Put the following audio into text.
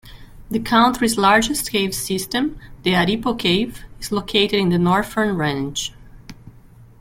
The country's largest cave system, the Aripo Cave, is located in the Northern Range.